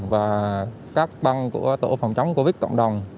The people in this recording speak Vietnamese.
và các băng của tổ phòng chống covid cộng đồng